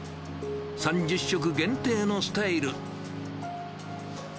３０食限定のスタイル。